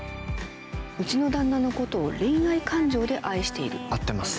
うちの旦那のことを恋愛感情で愛している？